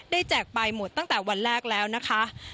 แจกไปหมดตั้งแต่วันแรกแล้วนะคะ